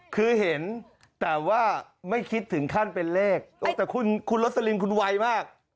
คือเห็นแต่ว่าไม่คิดถึงขั้นเป็นเลขแต่คุณโรสลินคุณไวมาก